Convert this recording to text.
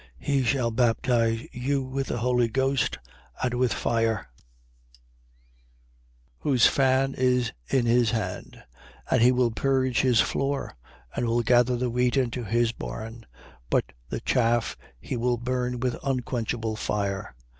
He shall baptize you with the Holy Ghost and with fire; 3:17. Whose fan is in his hand: and he will purge his floor and will gather the wheat into his barn: but the chaff he will burn with unquenchable fire.